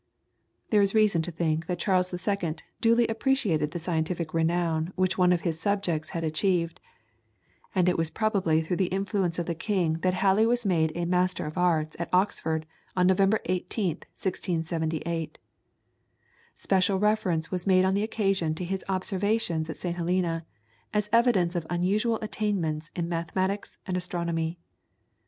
There is reason to think that Charles II. duly appreciated the scientific renown which one of his subjects had achieved, and it was probably through the influence of the king that Halley was made a Master of Arts at Oxford on November 18th, 1678. Special reference was made on the occasion to his observations at St. Helena, as evidence of unusual attainments in mathematics and astronomy.